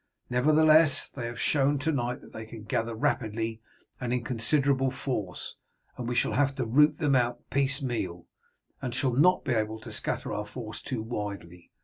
Nevertheless, they have shown to night that they can gather rapidly and in considerable force, and we shall have to root them out piecemeal, and shall not be able to scatter our force too widely.